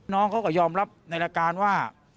น้องเขาก็ยอมรับในรายการว่า